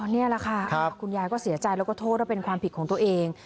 นี่แหละค่ะคุณยายก็เสียใจแล้วก็โทษว่าเป็นความผิดของตัวเอง